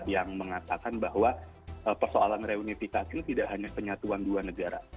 yang mengatakan bahwa persoalan reunifikasi itu tidak hanya penyatuan dua negara